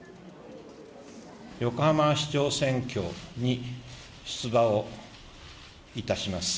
横浜市長選挙に出馬をいたします。